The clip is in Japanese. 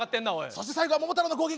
そして最後は桃太郎の攻撃。